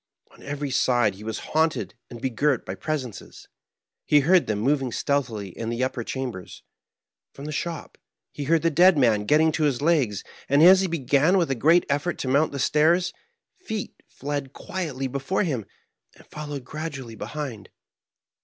On every side he was haunted and begirt by presences. He heard them moving stealth ily in the upper chambers ; from the shop, he heard the Digitized by VjOOQIC MARKHEIM. 65 dead man getting to his legs ; and, as he began with a great effort to mount the stairs, feet fled quietly before him and followed gradually behind.